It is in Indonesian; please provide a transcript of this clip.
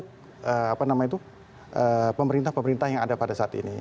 dengan menunjuk pemerintah pemerintah yang ada pada saat ini